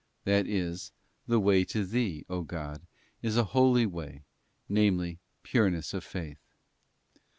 ft That is, the way to Thee, O God, is a holy way, namely, pureness of faith.